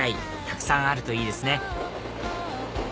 たくさんあるといいですね